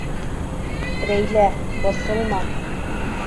Рәйлә, борсолма.